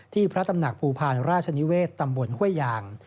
พระตำหนักภูพาลราชนิเวศตำบลห้วยยาง